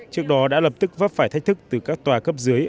trước đó đã lập tức vấp phải thách thức từ các tòa cấp dưới